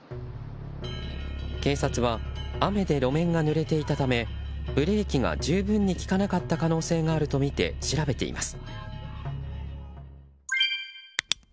警察は雨で路面がぬれていたためブレーキが十分に利かなかった可能性があるとみて調べています。